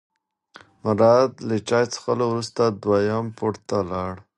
مراد له چای څښلو وروسته دویم پوړ ته لاړ.